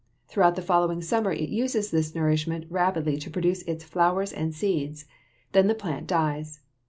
Throughout the following summer it uses this nourishment rapidly to produce its flowers and seeds. Then the plant dies.